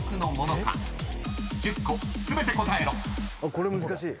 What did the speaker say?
これ難しい。